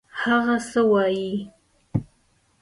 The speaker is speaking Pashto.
هغه څه وايي.